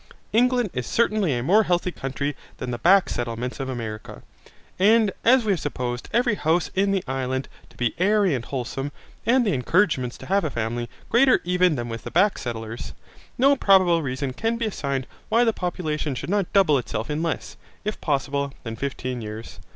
England is certainly a more healthy country than the back settlements of America, and as we have supposed every house in the island to be airy and wholesome, and the encouragements to have a family greater even than with the back settlers, no probable reason can be assigned why the population should not double itself in less, if possible, than fifteen years.